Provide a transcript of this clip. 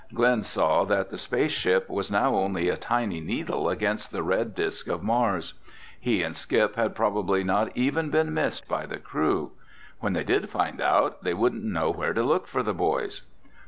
Glen saw that the space ship was now only a tiny needle against the red disk of Mars. He and Skip had probably not even been missed by the crew. When they did find out, they wouldn't know where to look for the boys.